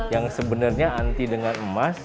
yang sebenarnya anti dengan emas